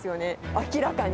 明らかに。